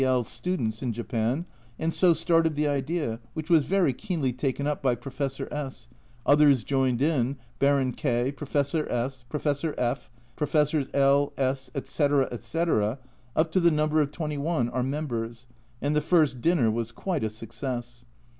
L. students in Japan, and so started the idea, which was very keenly taken up by Professor S ; others joined in, Baron K , Professor S , Professor F , Professors L , S , etc. etc., up to the number of twenty one, are members, and the first dinner was quite a success.